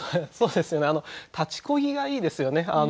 そうですよね「立ち漕ぎ」がいいですよね。